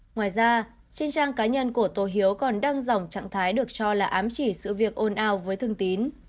ngoài ra trên trang cá nhân của tô hiếu còn đăng dòng trạng thái được cho là ám chỉ sự việc ồn ào với thương tín